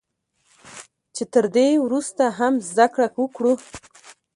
چې تر دې ورسته هم زده کړه وکړو